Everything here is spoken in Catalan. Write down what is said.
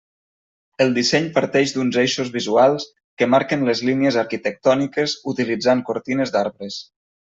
El disseny parteix d’uns eixos visuals que marquen les línies arquitectòniques utilitzant cortines d’arbres.